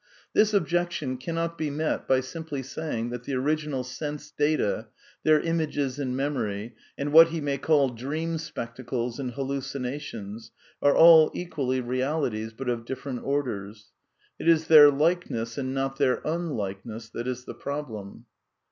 This objection cannot be met by simply saying that the , original sense data, their images in memory, and what he may call dream spectacles and hallucinations, are all equally realities, but of different orders. It is their like ness and not their unlikeness that is the problem.